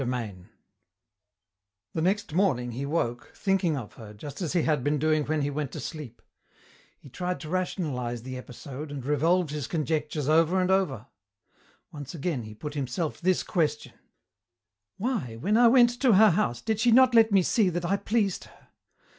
CHAPTER IX The next morning he woke, thinking of her, just as he had been doing when he went to sleep. He tried to rationalize the episode and revolved his conjectures over and over. Once again he put himself this question: "Why, when I went to her house, did she not let me see that I pleased her?